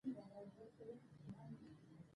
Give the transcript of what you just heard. که ما غواړی درسره به یم یارانو